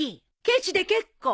ケチで結構。